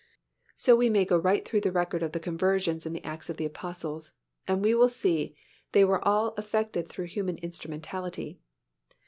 So we may go right through the record of the conversions in the Acts of the Apostles and we will see they were all effected through human instrumentality.